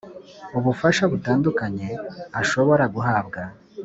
ubufasha butandukanye ashobora guhabwa